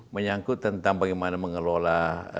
menyangkut tentang bagaimana mengelola